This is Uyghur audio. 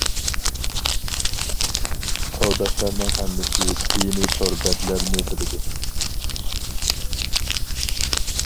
تورداشلارنىڭ ھەممىسى دىنى تور بەتلەرنى بىلىدۇ.